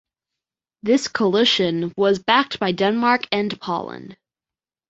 This coalition was backed by Denmark and Poland.